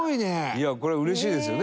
いやこれ嬉しいですよね